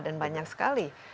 dan banyak sekali